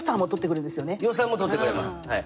予算もとってくれますはい。